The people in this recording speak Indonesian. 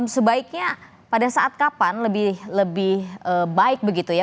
sebaiknya pada saat kapan lebih baik begitu ya